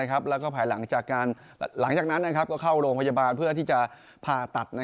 แล้วก็ภายหลังจากนั้นก็เข้าโรงพยาบาลเพื่อที่จะผ่าตัด